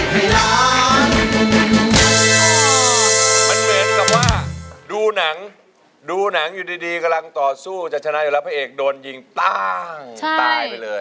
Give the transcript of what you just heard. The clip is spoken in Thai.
มันเหมือนกับว่าดูหนังดูหนังอยู่ดีกำลังต่อสู้จะชนะอยู่แล้วพระเอกโดนยิงตั้งตายไปเลย